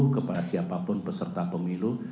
kepada siapapun beserta pemilu